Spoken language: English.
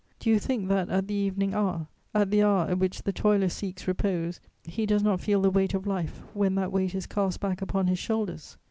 Do you think that, at the evening hour, at the hour at which the toiler seeks repose, he does not feel the weight of life, when that weight is cast back upon his shoulders?